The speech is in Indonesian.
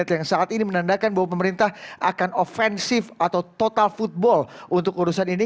yang saat ini menandakan bahwa pemerintah akan offensif atau total football untuk urusan ini